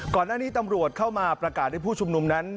ก่อนหน้านี้ตำรวจเข้ามาประกาศให้ผู้ชุมนุมนั้น